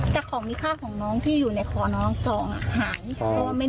แต่ของมีค่าของน้องที่อยู่ในคอน้องจองอ่ะหายเพราะว่าไม่